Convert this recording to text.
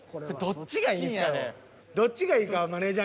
どっちがいいんやろ？